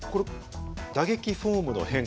打撃フォームの変化